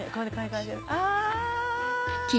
あ。